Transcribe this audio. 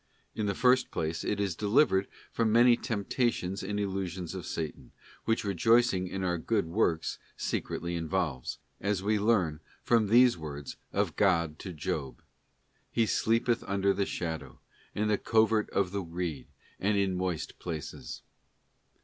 In the first place, it is delivered from many temptations and illusions of Satan, which rejoicing in our good works secretly involves, as we learn from these words of God to Job: 'He sleepeth under the shadow, in the covert of the reed, and in moist places.